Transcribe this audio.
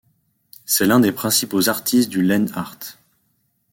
C'est l'un des principaux artistes du Land art.